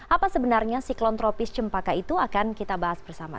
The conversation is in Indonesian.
apa sebenarnya siklon tropis cempaka itu akan kita bahas bersama